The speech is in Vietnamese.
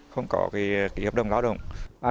không có cái